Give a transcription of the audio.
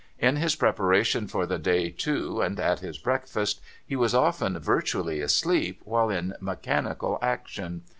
In his preparation for the day, too, and at his breakfast, he was often virtually asleep while in mechanical action.